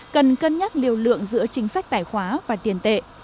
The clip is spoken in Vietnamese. cần cân nhắc liều lượng giữa chính sách tài khoá và tiền tệ